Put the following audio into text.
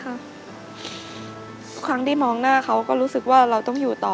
ทุกครั้งที่มองหน้าเขาก็รู้สึกว่าเราต้องอยู่ต่อ